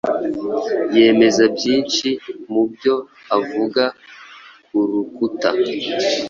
yemeza byinshi mubyo avugakurukuta